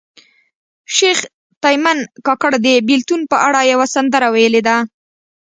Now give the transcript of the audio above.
شیخ تیمن کاکړ د بیلتون په اړه یوه سندره ویلې ده